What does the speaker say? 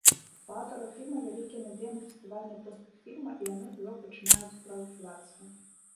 У аўтараў фільма вялікія надзеі на фестывальны поспех фільма, і яны ўжо пачынаюць спраўджвацца.